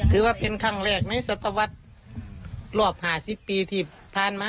ถือว่าเป็นครั้งแรกในศตวรรษรอบ๕๐ปีที่ผ่านมา